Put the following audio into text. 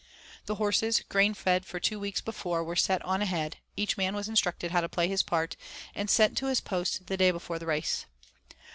The horses, grain fed for two weeks before, were sent on ahead; each man was instructed how to play his part and sent to his post the day before the race.